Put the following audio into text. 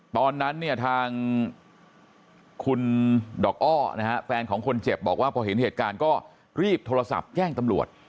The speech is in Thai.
ตอนนั้นเนี่ยทางคุณดอกอ้อนะฮะแฟนของคนเจ็บบอกว่าพอเห็นเหตุการณ์ก็รีบโทรศัพท์แจ้งตำรวจ